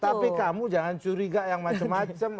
tapi kamu jangan curiga yang macam macam